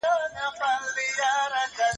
قمري د ونې لوړې څانګې ته ورسېده.